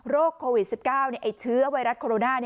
โควิด๑๙ไอ้เชื้อไวรัสโคโรนา